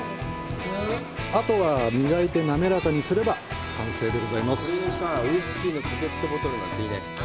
あとは、磨いて滑らかにすれば完成でございます。